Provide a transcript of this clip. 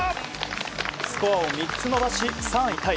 スコアを３つ伸ばし３位タイ。